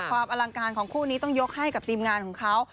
อลังการของคู่นี้ต้องยกให้กับทีมงานของเขา